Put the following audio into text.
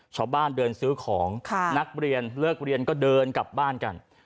ชาวบ้านเดินซื้อของนักเรียนเลิกเรียนก็เดินกลับบ้านกัน